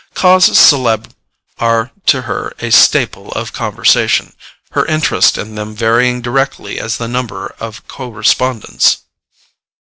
Causes célèbres are to her a staple of conversation, her interest in them varying directly as the number of co respondents.